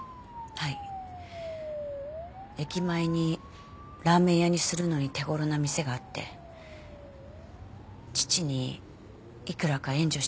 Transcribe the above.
はい駅前にラーメン屋にするのに手頃な店があって父にいくらか援助してもらおうと。